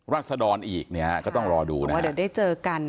รัศดรอีกเนี่ยก็ต้องรอดูนะเพราะเดี๋ยวได้เจอกัน